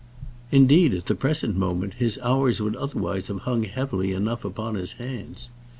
Indeed, at the present moment, his hours would otherwise have hung heavily enough upon his hands.